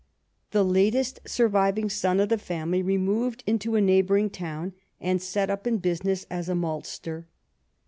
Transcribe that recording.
The latest surviving son of the family removed into a neighboring town and set up in business as a maltster.